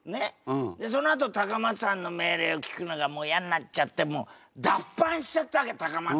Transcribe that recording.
そのあと高松藩の命令を聞くのがもう嫌になっちゃってもう脱藩しちゃったわけ高松藩から。